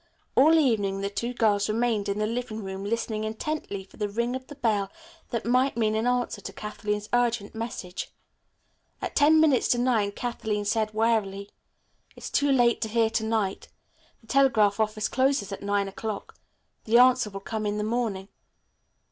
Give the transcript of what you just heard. All evening the two girls remained in the living room listening intently for the ring of the bell that might mean an answer to Kathleen's urgent message. At ten minutes to nine Kathleen said wearily. "It's too late to hear to night. The telegraph office closes at nine o'clock. The answer will come in the morning.